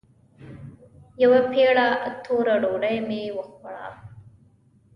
يوه پېړه توره ډوډۍ مې وخوړه.